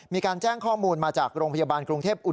มีการแจ้งข้อมูลมาจากโรงพยาบาลกรุงเทพอุด